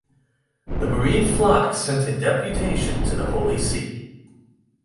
The bereaved flock sent a deputation to the Holy See.